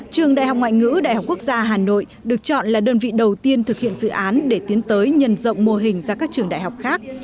trường đại học ngoại ngữ đại học quốc gia hà nội được chọn là đơn vị đầu tiên thực hiện dự án để tiến tới nhân rộng mô hình ra các trường đại học khác